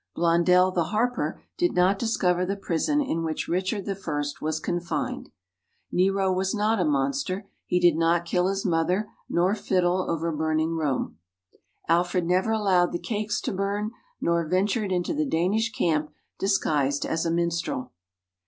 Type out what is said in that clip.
Blondel, the harper, did not discover the prison in which Richard I was confined. Nero was not a monster; he did not kill his mother nor fiddle over burning Rome. Alfred never allowed the cakes to burn, nor ventured into the Danish camp disguised as a minstrel.